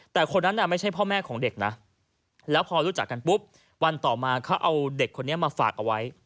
แต่คนนั้นไม่ใช่พ่อแม่ของเด็กนะแล้วพอรู้จักกันปุ๊บวันต่อมาเขาเอาเด็กคนนี้มาฝากเอาไว้